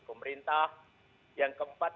pemerintah yang keempat